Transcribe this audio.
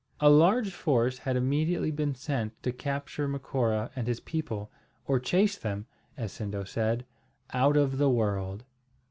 A large force had immediately been sent to capture Macora and his people, or chase them, as Sindo said, "out of the world."